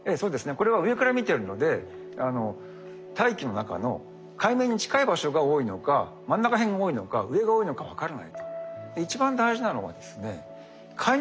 これは上から見てるので大気の中の海面に近い場所が多いのか真ん中辺が多いのか上が多いのか分からないと。